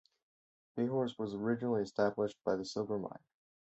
Bayhorse was originally established by the silver mine.